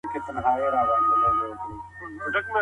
زه به د کور کتابونه ترتيب کړي وي.